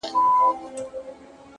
پوه انسان له هر حالت څه زده کوي.!